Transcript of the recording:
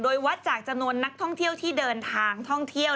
โดยวัดจากจำนวนนักท่องเที่ยวที่เดินทางท่องเที่ยว